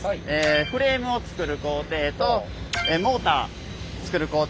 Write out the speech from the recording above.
フレームをつくる工程とモーターつくる工程。